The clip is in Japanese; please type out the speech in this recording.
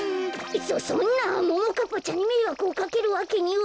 そそんなももかっぱちゃんにめいわくをかけるわけには。